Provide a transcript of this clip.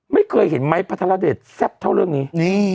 ไม่เคยเห็นไม้พัทรเดชแซ่บเท่าเรื่องนี้